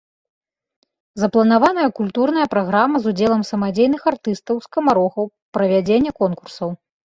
Запланаваная культурная праграма з удзелам самадзейных артыстаў, скамарохаў, правядзенне конкурсаў.